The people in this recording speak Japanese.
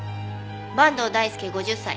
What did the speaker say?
坂東大輔５０歳。